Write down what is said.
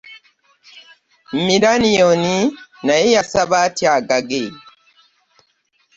Milaniyoni naye yasala atya agage?